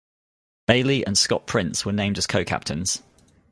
Bailey and Scott Prince were named as co-captains.